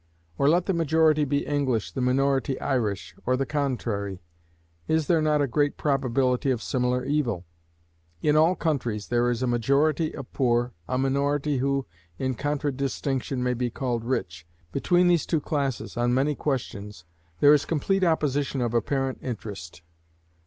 Or let the majority be English, the minority Irish, or the contrary: is there not a great probability of similar evil? In all countries there is a majority of poor, a minority who, in contradistinction, may be called rich. Between these two classes, on many questions, there is complete opposition of apparent interest.